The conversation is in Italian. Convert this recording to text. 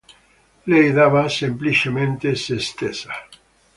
Lei dava semplicemente se stessa.“.